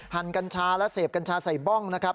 กัญชาและเสพกัญชาใส่บ้องนะครับ